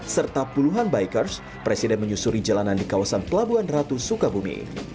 serta puluhan bikers presiden menyusuri jalanan di kawasan pelabuhan ratu sukabumi